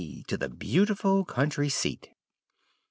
To the beautiful country seat!"